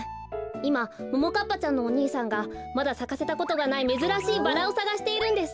いまももかっぱちゃんのお兄さんがまださかせたことがないめずらしいバラをさがしているんです。